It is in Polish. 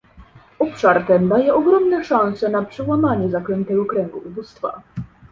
Obszar ten daje ogromne szanse na przełamanie zaklętego kręgu ubóstwa